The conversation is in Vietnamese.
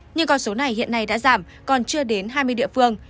nhưng con số này hiện nay đã giảm còn chưa đến hai mươi địa phương